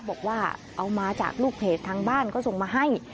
บอกว่าเอามาจากลูกเพจทางบ้านก็ส่งมาให้